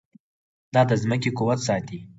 دا د ځمکې قوت ساتي.